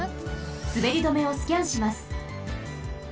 すべり止めをスキャンします。